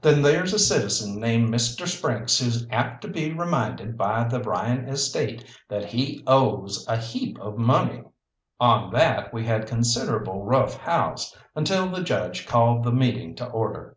"Then there's a citizen named Mr. Sprynkes who's apt to be reminded by the Ryan estate that he owes a heap of money!" On that we had considerable rough house, until the judge called the meeting to order.